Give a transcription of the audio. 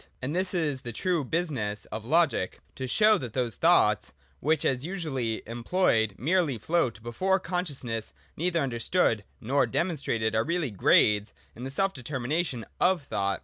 And this is the true business of logic : to show that those thoughts, which as usually em ployed merely float before consciousness neither understood nor demonstrated, are really grades in the self determination of thought.